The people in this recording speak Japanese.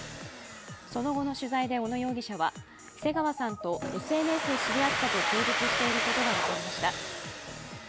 その後の取材で小野容疑者は、瀬川さんとＳＮＳで知り合ったと供述していることが分かりました。